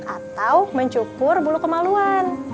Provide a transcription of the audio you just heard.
atau mencukur bulu kemaluan